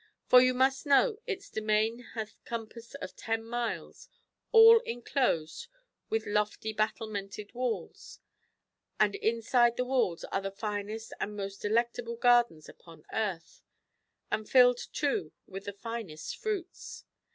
For you must know its demesne hath a compass of ten miles, all enclosed with lofty battlemented walls ; and inside the walls are the finest and most delect able gardens upon earth, and filled too with the finest fruits.